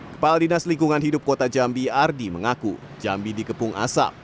kepala dinas lingkungan hidup kota jambi ardi mengaku jambi dikepung asap